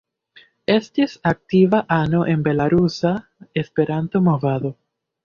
Estis aktiva ano en belarusa Esperanto-movado.